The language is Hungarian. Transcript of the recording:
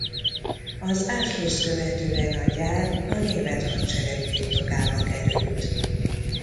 Az Anschlusst követően a gyár a német hadsereg birtokába került.